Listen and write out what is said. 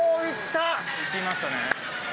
いきましたね。